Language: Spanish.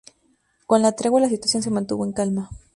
Con la tregua la situación se mantuvo en calma.